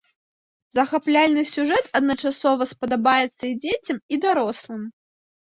Захапляльны сюжэт адначасова спадабаецца і дзецям, і дарослым.